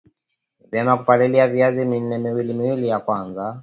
ni vyema kupalilia viazi miezi miwili ya kwanza